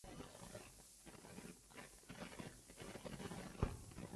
萨伏伊别墅是一个著名的代表作。